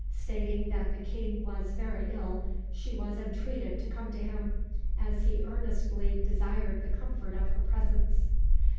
Stating that the King was very ill, she was entreated to come to him, as he earnestly desired the comfort of her presence.